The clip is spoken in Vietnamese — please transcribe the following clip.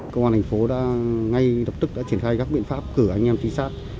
công an thành phố đã ngay lập tức triển khai các biện pháp cử anh em tinh sát